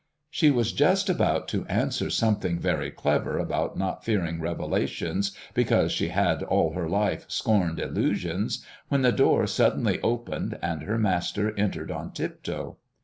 She was just about to answer something very clever about not fearing revelations because she had all her life scorned illusions, when the door suddenly opened, and her master entered on tiptoe.